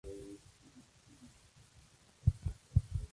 Instantáneamente, el clip aparece en la televisión del programa.